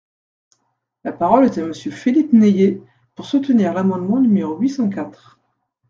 La parole est à Monsieur Philippe Naillet, pour soutenir l’amendement numéro huit cent quatre.